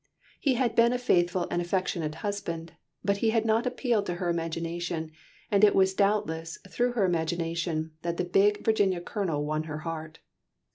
He had been a faithful and affectionate husband, but he had not appealed to her imagination, and it was doubtless through her imagination, that the big Virginia Colonel won her heart.